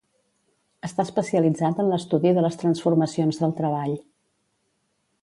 Està especialitzat en l'estudi de les transformacions del treball.